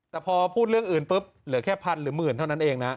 แต่พอพูดเรื่องอื่นปุ๊บเหลือแค่พันหรือหมื่นเท่านั้นเองนะ